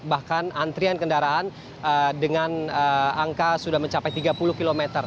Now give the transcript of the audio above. bahkan antrian kendaraan dengan angka sudah mencapai tiga puluh km